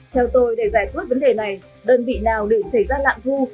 theo tôi để giải quyết vấn đề này đơn vị nào để xảy ra lạm thu